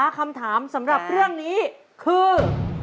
คำถามสำหรับเรื่องนี้คือ